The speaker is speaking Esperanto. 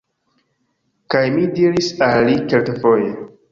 Kaj mi diris al li kelkfoje: